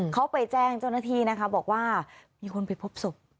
เขาไปแจ้งเจ้าหน้าที่นะคะบอกว่ามีคนไปพบศพ